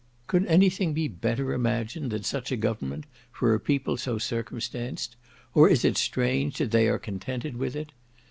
Could any thing be better imagined than such a government for a people so circumstanced? Or is it strange that they are contented with it?